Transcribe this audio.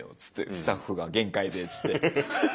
「スタッフが限界で」っつって。